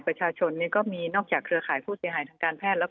ก็มีนอกจากเครือข่ายผู้เสียหายทางการแพทย์แล้ว